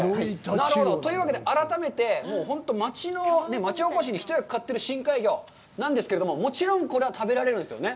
なるほど、というわけで改めて、本当町おこしに一役買っている深海魚、なんですけれども、もちろん、これは食べられるんですよね。